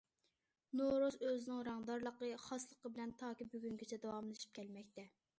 نورۇز ئۆزىنىڭ رەڭدارلىقى، خاسلىقى بىلەن تاكى بۈگۈنگىچە داۋاملىشىپ كەلمەكتە.